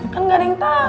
kan gak ada yang tau